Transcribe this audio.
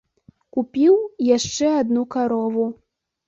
Купіў яшчэ адну карову.